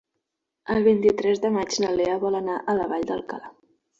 El vint-i-tres de maig na Lea vol anar a la Vall d'Alcalà.